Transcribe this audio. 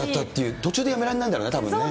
途中でやめられないんだろうね。